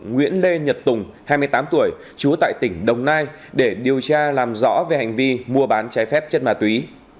nguyễn lê nhật tùng hai mươi tám tuổi trú tại tỉnh đồng nai để điều tra làm rõ về hành vi mua bán trái phép chất ma túy